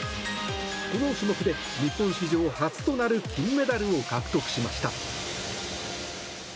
この種目で日本史上初となる金メダルを獲得しました。